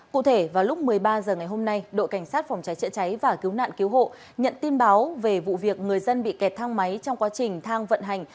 cụ thể vào lúc một mươi ba h ngày hôm nay đội cảnh sát phòng cháy chữa cháy và cứu nạn cứu hộ nhận tin báo về vụ việc người dân bị kẹt thang máy trong quá trình thang vận hành